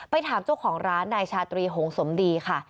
ถามเจ้าของร้านนายชาตรีหงสมดีค่ะ